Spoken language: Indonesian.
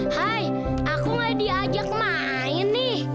hai aku gak diajak main nih